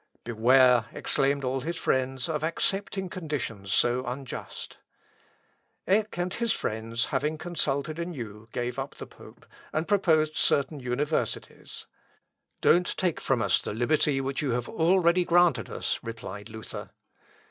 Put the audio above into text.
"Beware," exclaimed all his friends, "of accepting conditions so unjust." Eck and his friends having consulted anew, gave up the pope, and proposed certain universities. "Don't take from us the liberty which you have already granted us," replied Luther.